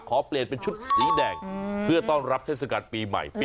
ขอเปลี่ยนเป็นชุดสีแดงเพื่อต้อนรับเทศกาลปีใหม่